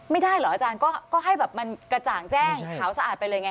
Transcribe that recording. ไม่ได้เหรออาจารย์ก็ให้แบบมันกระจ่างแจ้งขาวสะอาดไปเลยไง